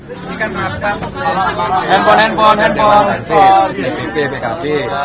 ini kan rapat dewan tansi dpp bkp